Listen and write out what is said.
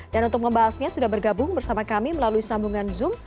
dan untuk membahasnya sudah bergabung bersama kami melalui sambungan zoom